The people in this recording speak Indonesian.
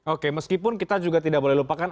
oke meskipun kita juga tidak boleh lupakan